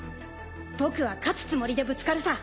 僕は勝つつもりでぶつかるさ。